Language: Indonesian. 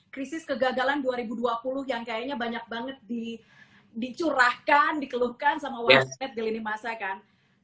krisis kegagalan dua ribu dua puluh yang kayaknya banyak banget dicurahkan dikeluhkan sama website di lini masa kan